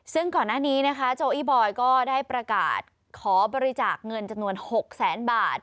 ซึ่งก่อนหน้านี้นะคะโจอี้บอยก็ได้ประกาศขอบริจาคเงินจำนวน๖แสนบาท